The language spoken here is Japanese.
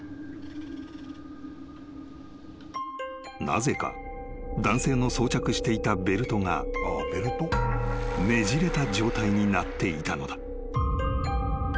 ［なぜか男性の装着していたベルトがねじれた状態になっていたのだ］